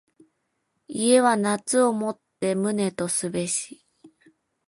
家は夏をもって旨とすべし。